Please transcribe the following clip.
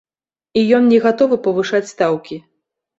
І ён не гатовы павышаць стаўкі.